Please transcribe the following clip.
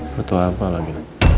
butuh apa lagi